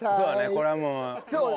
これはもう。